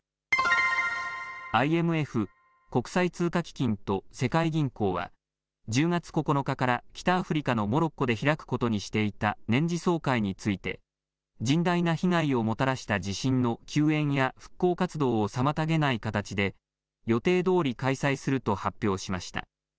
ＩＭＦ・国際通貨基金と世界銀行は１０月９日から北アフリカのモロッコで開くことにしていた年次総会について甚大な被害をもたらした地震の救援や復興活動を妨げない形で予定どおり開催すると発表しました。